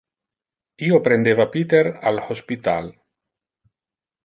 Io prendeva Peter al hospital.